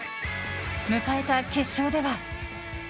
迎えた決勝では。